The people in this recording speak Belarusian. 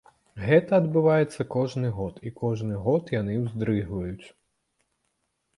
Гэта адбываецца кожны год, і кожны год яны ўздрыгваюць.